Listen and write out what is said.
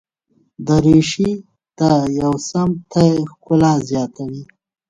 دریشي ته یو سم ټای ښکلا زیاتوي.